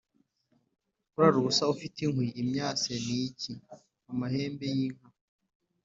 Kurara ubusa ufite inkwi (imyase) ni iki ?-Amahembe y'inka.